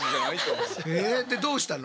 でどうしたの？